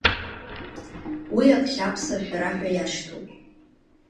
Уи аԥхьаԥса ашәара ҳәа иашьҭоуп.